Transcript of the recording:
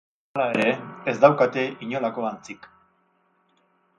Hala ere, ez daukate inolako antzik.